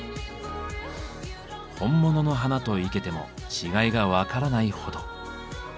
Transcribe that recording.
本物の花と生けても違いが分からないほど。